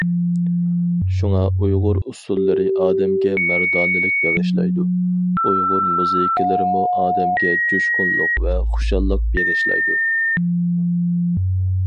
شۇڭا ئۇيغۇر ئۇسسۇللىرى ئادەمگە مەردانىلىك بېغىشلايدۇ، ئۇيغۇر مۇزىكىلىرىمۇ ئادەمگە جۇشقۇنلۇق ۋە خۇشاللىق بېغىشلايدۇ.